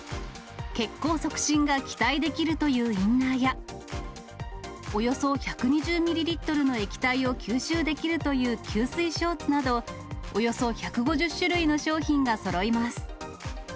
血行促進が期待できるというインナーや、およそ１２０ミリリットルの液体を吸収できるという吸水ショーツなど、およそ１５０種類の商品がそろいます。